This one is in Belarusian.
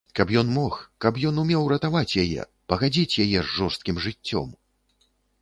Каб ён мог, каб ён умеў ратаваць яе, пагадзіць яе з жорсткім жыццём!